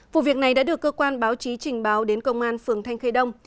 vụ việc này đã được cơ quan báo chí trình báo đến công an phường thanh khê đông